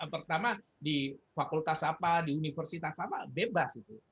pertama di fakultas apa di universitas apa bebas itu